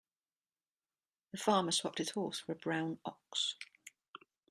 The farmer swapped his horse for a brown ox.